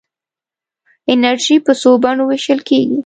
انرژي په څو بڼو ویشل کېږي.